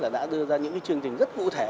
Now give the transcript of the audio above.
đã đưa ra những chương trình rất cụ thể